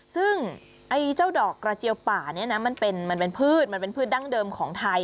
ซึ่งเจ้าดอกกระเจียวป่านี่นะมันเป็นพืชดั้งเดิมของไทย